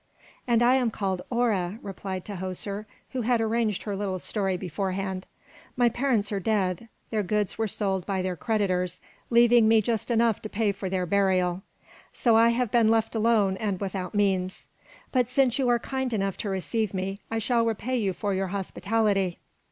"And I am called Hora," replied Tahoser, who had arranged her little story beforehand. "My parents are dead, their goods were sold by their creditors, leaving me just enough to pay for their burial; so I have been left alone and without means. But since you are kind enough to receive me, I shall repay you for your hospitality.